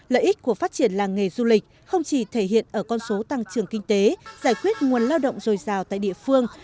lợi ích của phát triển làng nghề du lịch không chỉ thể hiện ở con số tăng trưởng kinh tế giải quyết nguồn lao động dồi dào tại địa phương